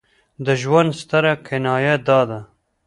د ژوند ستره کنایه دا ده.